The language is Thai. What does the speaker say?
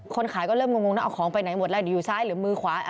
คนขายก็เริ่มงงนะเอาของไปไหนหมดแล้วเดี๋ยวอยู่ซ้ายหรือมือขวา